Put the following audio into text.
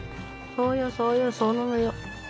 そうよそうよそうなのよ。